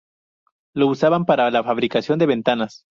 Lo usaban para la fabricación de ventanas.